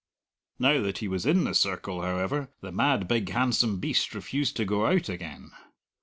Now that he was in the circle, however, the mad, big, handsome beast refused to go out again.